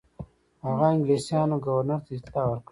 هغه انګلیسیانو ګورنر ته اطلاع ورکړه.